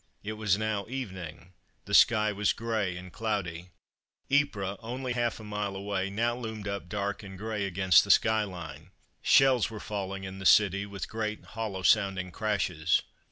It was now evening, the sky was grey and cloudy. Ypres, only half a mile away, now loomed up dark and grey against the sky line. Shells were falling in the city, with great hollow sounding crashes.